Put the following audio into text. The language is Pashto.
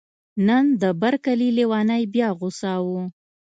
نن د بر کلي لیونی بیا غوسه و